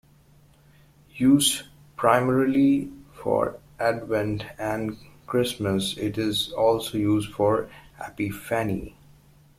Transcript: Used primarily for Advent and Christmas, it is also used for Epiphany.